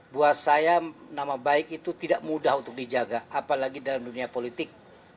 buat saya nama baik itu tidak mudah untuk dijaga apalagi dalam dunia politik